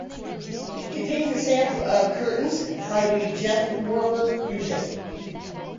It contains a sample of "Curtains" by The Jeff Lorber Fusion.